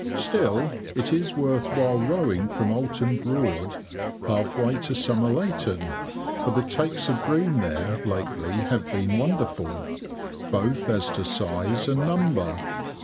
Still, it is worth while rowing from Oulton Broad, half way to Somerleyton, for the takes of bream there lately have been wonderful, both as to size and number.